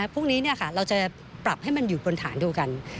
พรุ่งนี้เราจะปรับให้มันอยู่บนฐานเดียวกัน